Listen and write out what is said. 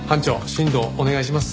新藤をお願いします。